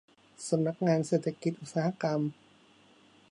สำนักงานเศรษฐกิจอุตสาหกรรม